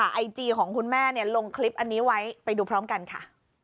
ไอจีของคุณแม่เนี่ยลงคลิปอันนี้ไว้ไปดูพร้อมกันค่ะ